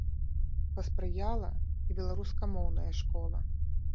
Паспрыяла і беларускамоўная школа.